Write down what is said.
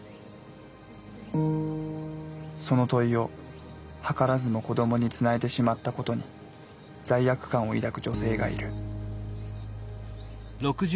その問いをはからずも子どもにつないでしまったことに罪悪感を抱く女性がいる。